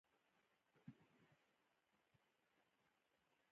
هغوی دواړو خدای ته دعا وکړه.